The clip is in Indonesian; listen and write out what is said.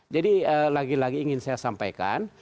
jadi lagi lagi ingin saya sampaikan